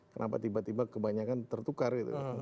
kenapa tiba tiba kebanyakan tertukar gitu